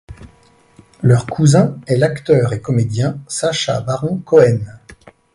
Leur cousin est l'acteur et comédien Sacha Baron Cohen.